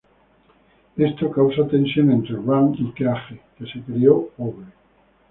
Esto causa tensión entre Rand y Cage, que se crió pobre.